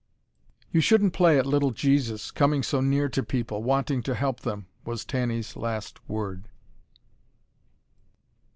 "You shouldn't play at little Jesus, coming so near to people, wanting to help them," was Tanny's last word.